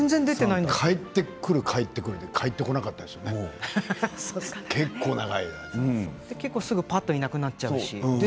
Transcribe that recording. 帰ってくる、帰ってくるで結構すぐいなくなっちゃうし。